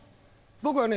僕はね